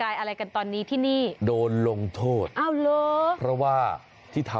จอดมอเตอร์ไซค์